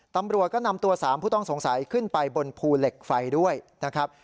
ตำรวจก็นำตัว๓ผู้ต้องสงสัยขึ้นไปบนภูเหล็กไฟด้วยนะครับ